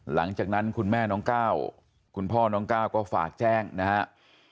หลังจากนั้นคุณแม่น้องก้าวคุณพ่อน้องก้าวก็ฝากแจ้งนะครับ